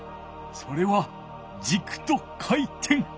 それはじくと回転。